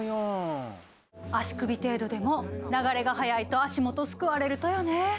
足首程度でも流れが速いと足元すくわれるとよね。